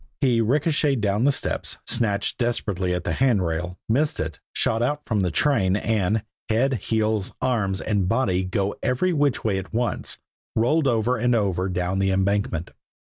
He ricocheted down the steps, snatched desperately at the handrail, missed it, shot out from the train, and, head, heels, arms and body going every which way at once, rolled over and over down the embankment.